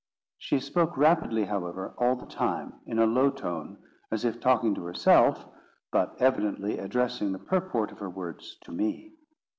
She spoke rapidly, however, all the time, in a low tone, as if talking to herself, but evidently addressing the purport of her words to me.